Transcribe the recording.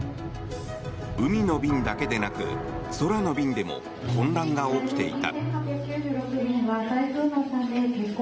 海の便だけでなく空の便でも混乱が起きていた。